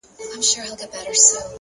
هره هڅه د راتلونکي بنسټ دی!